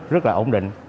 rất là ổn định